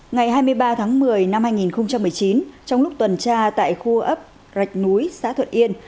ngày hai mươi ba tháng một mươi năm hai nghìn một mươi chín trong lúc tuần tra tại khu ấp rạch núi xã thuận yên